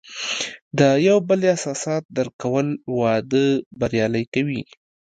د یو بل احساسات درک کول، واده بریالی کوي.